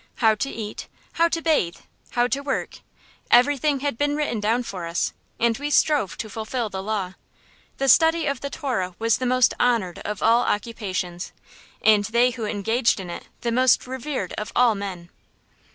How to eat, how to bathe, how to work everything had been written down for us, and we strove to fulfil the Law. The study of the Torah was the most honored of all occupations, and they who engaged in it the most revered of all men.